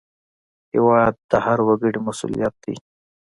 هېواد د هر وګړي مسوولیت دی.